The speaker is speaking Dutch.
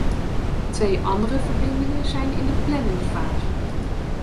Twee andere verbindingen zijn in de planningsfase.